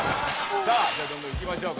さあじゃあどんどんいきましょうか。